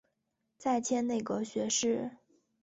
再迁内阁学士。